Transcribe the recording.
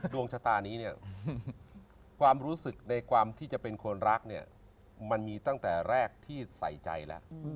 ดวงชะตานี้เนี่ยความรู้สึกในความที่จะเป็นคนรักเนี่ยมันมีตั้งแต่แรกที่ใส่ใจแล้ว